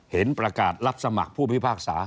ประกาศรับสมัครผู้พิพากษา